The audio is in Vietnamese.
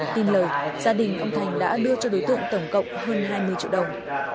tin lời gia đình ông thành đã đưa cho đối tượng tổng cộng hơn hai mươi triệu đồng